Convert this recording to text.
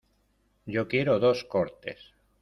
Yo quiero dos cortes.